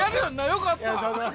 よかった！